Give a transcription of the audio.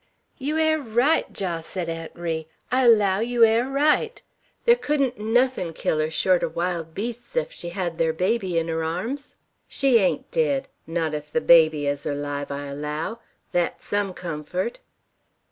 "Yer air right, Jos!" said Aunt Ri. "I allow yer air right. Thar couldn't nothin' kill her, short er wild beasts, ef she hed ther baby 'n her arms! She ain't dead, not ef the baby ez erlive, I allow. Thet's some comfort."